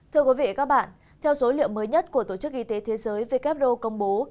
thưa quý vị và các bạn theo số liệu mới nhất của tổ chức y tế thế giới wo công bố